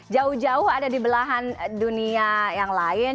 jauh jauh ada di belahan dunia yang lain